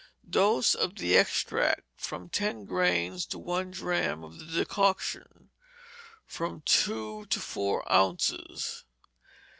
Dose, of the extract, from ten grains to one drachm; of the decoction, from two to four ounces.